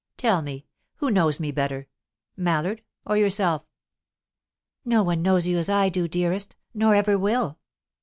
Tell me who knows me better, Mallard or yourself?" "No one knows you as I do, dearest, nor ever will."